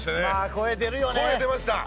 声、出るよね。